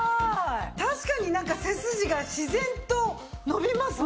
確かになんか背筋が自然と伸びますもんね。